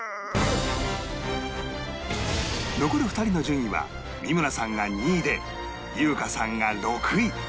残る２人の順位は三村さんが２位で優香さんが６位